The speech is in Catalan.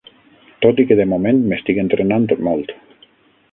Tot i que de moment m'estic entrenant molt.